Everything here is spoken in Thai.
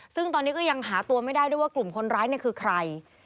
ซึ่งตอนนี้ก็ยังหาตัวไม่ได้ด้วยว่ากลุ่มคนร้ายคือใคร